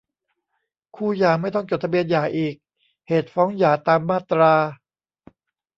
คู่หย่าไม่ต้องจดทะเบียนหย่าอีก เหตุฟ้องหย่า ตามมาตรา